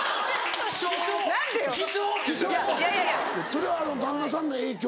それは旦那さんの影響？